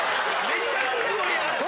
めちゃくちゃ盛り上がって。